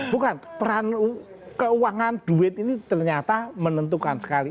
bukan peran keuangan duit ini ternyata menentukan sekali